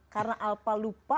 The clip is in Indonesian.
karena alpa lupa